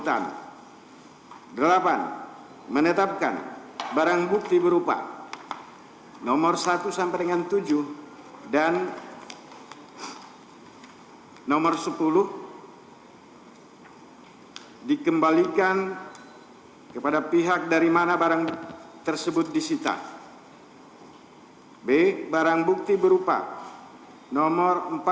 tiga menjatuhkan pidana kepada terdakwa dua subiharto